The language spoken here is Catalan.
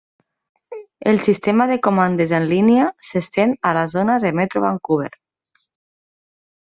El sistema de comandes en línia s'estén a la zona de Metro Vancouver.